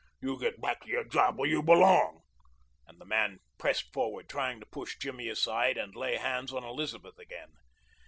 You get back on your job, where you belong," and the man pressed forward trying to push Jimmy aside and lay hands on Elizabeth again.